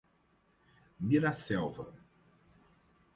Miraselva